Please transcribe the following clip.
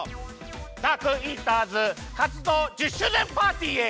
ダークイーターズかつどう１０周年パーティーへ！